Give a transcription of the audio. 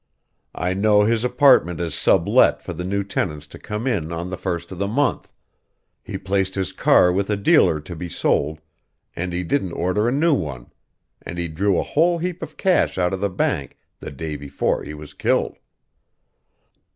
I know his apartment is sublet for the new tenants to come in on the first of the month, he placed his car with a dealer to be sold and he didn't order a new one an' he drew a whole heap of cash out of the bank the day before he was killed.